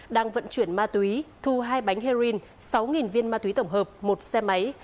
đang vận chuyển ma túy thu hai bánh heroin sáu viên ma túy tổng hợp một xe máy